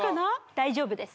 大丈夫です